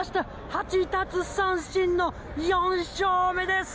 ８奪三振の４勝目です。